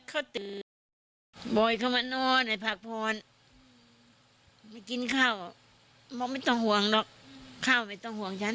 ลูกชายมีอยู่ไหมตรงนั้น